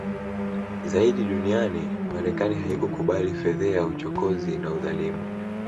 zaidi duniani Marekani haikukubali fedheha uchokozi na udhalimu